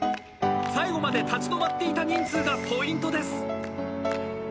最後まで立ち止まっていた人数がポイントです。